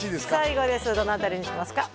最後ですどの辺りにしますか？